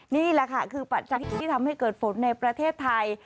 นี่แหละค่ะคือปัจจัยที่ทำให้เกิดฝนในประเทศไทย